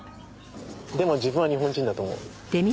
でも自分は日本人だと思う。